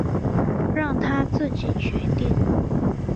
让他自己决定